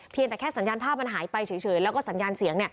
เพียงแต่แค่สัญญาณภาพมันหายไปเฉย